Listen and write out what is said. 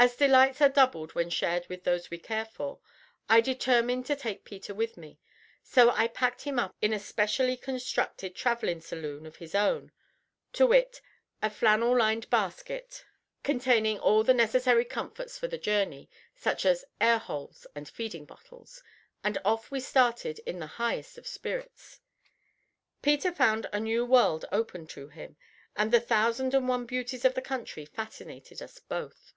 As delights are doubled when shared with those we care for, I determined to take Peter with me, so I packed him up in a specially constructed travelling saloon of his own, to wit, a flannel lined basket containing all the necessary comforts for the journey, such as air holes and feeding bottles, and off we started in the highest of spirits. Peter found a new world opened to him, and the thousand and one beauties of the country fascinated us both.